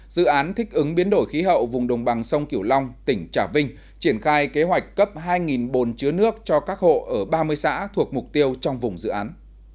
dự án thích ứng biến đổi khí hậu vùng đồng bằng sông kiểu long tỉnh trà vinh triển khai kế hoạch cấp hai bồn chứa nước cho các hộ ở ba mươi xã thuộc mục tiêu trong vùng dự án